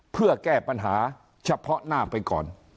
เพื่อแก้ปัญหาเฉพาะหน้าไปก่อน